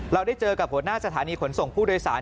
เราได้เจอกับหัวหน้าสถานีขนส่งผู้โดยสาร